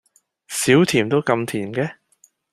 少甜都咁甜嘅？